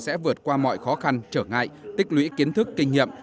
sẽ vượt qua mọi khó khăn trở ngại tích lũy kiến thức kinh nghiệm